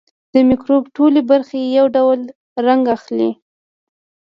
د مکروب ټولې برخې یو ډول رنګ اخلي.